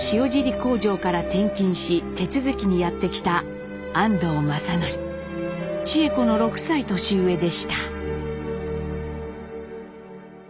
工場から転勤し手続きにやって来た智枝子の６歳年上でした。